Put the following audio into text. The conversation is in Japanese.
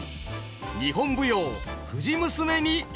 日本舞踊「藤娘」に挑む。